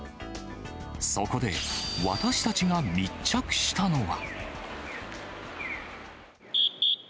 そこで、私たちが密着したのは。